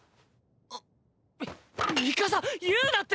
ミミカサ言うなって。